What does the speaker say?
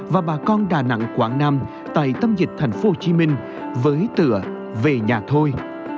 và bà con đà nẵng quảng nam tại tâm dịch thành phố hồ chí minh với tựa về nhà thôi